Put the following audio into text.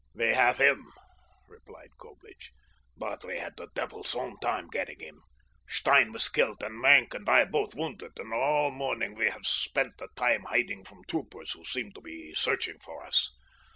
"We have him," replied Coblich. "But we had the devil's own time getting him. Stein was killed and Maenck and I both wounded, and all morning we have spent the time hiding from troopers who seemed to be searching for us.